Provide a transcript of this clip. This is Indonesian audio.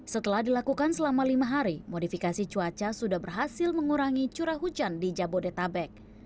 setelah dilakukan selama lima hari modifikasi cuaca sudah berhasil mengurangi curah hujan di jabodetabek